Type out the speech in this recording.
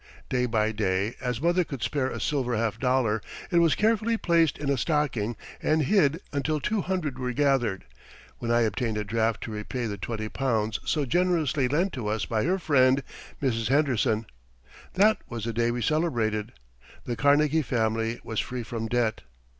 Day by day, as mother could spare a silver half dollar, it was carefully placed in a stocking and hid until two hundred were gathered, when I obtained a draft to repay the twenty pounds so generously lent to us by her friend Mrs. Henderson. That was a day we celebrated. The Carnegie family was free from debt.